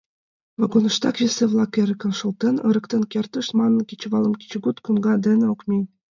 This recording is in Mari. Вагоныштак весе-влак эрыкын шолтен, ырыктен кертышт манын, кечывалым кечыгут коҥга деке ок мий.